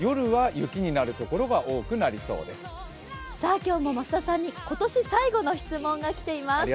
今日も増田さんに今年最後の質問が来ています。